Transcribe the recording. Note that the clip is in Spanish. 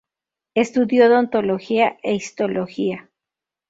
Estudió odontología e histología.